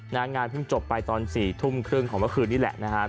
นักงานเพิ่งจบไปตอน๔๓๐ของเมื่อคืนนี่แหละนะครับ